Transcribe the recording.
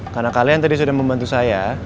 karena kalian tadi sudah membantu saya